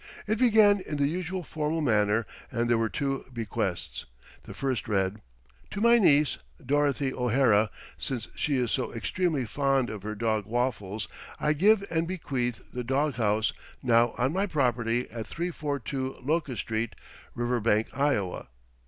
It began in the usual formal manner and there were two bequests. The first read: "To my niece, Dorothy O'Hara, since she is so extremely fond of her dog Waffles, I give and bequeath the dog house now on my property at 342 Locust Street, Riverbank, Iowa."